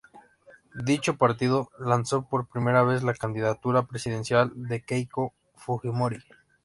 Dicho partido lanzó por primera vez la candidatura presidencial de Keiko Fujimori.